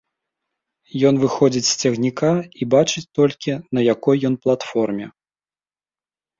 Ён выходзіць з цягніка і бачыць толькі, на якой ён платформе.